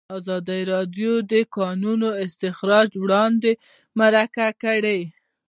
ازادي راډیو د د کانونو استخراج اړوند مرکې کړي.